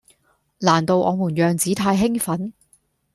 難道我們樣子太興奮